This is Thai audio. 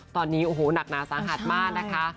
ตอนนี้โอ้โหหนักหนาสาหัสมากนะคะ